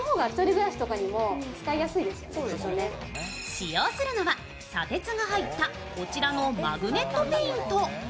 使用するのは砂鉄が入ったこちらのマグネットペイント。